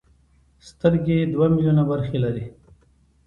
سترګې دوه ملیونه برخې لري.